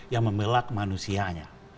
yang membelak manusianya